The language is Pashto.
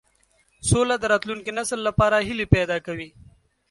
سوله د راتلونکي نسل لپاره هیلې پیدا کوي.